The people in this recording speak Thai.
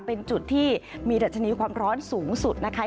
เป็นจุดที่มีดัชนีความร้อนสูงสุดนะคะ